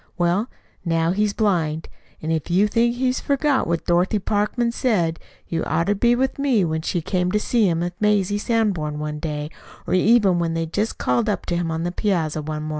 Well, now he's blind. An' if you think he's forgot what Dorothy Parkman said, you'd oughter been with me when she came to see him with Mazie Sanborn one day, or even when they just called up to him on the piazza one mornin'."